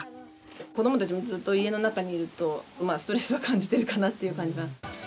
子どもたちもずっと家の中にいると、ストレスは感じているかなという感じは。